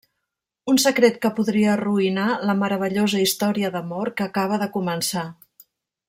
Un secret que podria arruïnar la meravellosa història d'amor que acaba de començar.